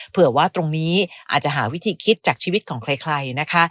เผื่อว่าตรงนี้อาจจะหาวิธีคิดจากชีวิตของใครนะคะ